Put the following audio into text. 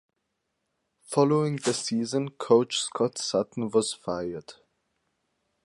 Following the season coach Scott Sutton was fired.